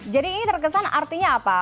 jadi ini terkesan artinya apa